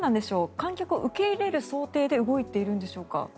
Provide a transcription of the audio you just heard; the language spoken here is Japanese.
観客を受け入れる想定で動いているんでしょうか。